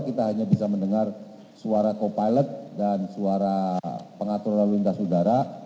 kita hanya bisa mendengar suara co pilot dan suara pengaturan lalu lintas udara